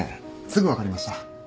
すぐ分かりました。